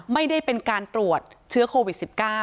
ไม่ได้เป็นการตรวจเชื้อโควิด๑๙